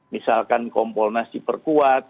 misalkan komponasi perkuat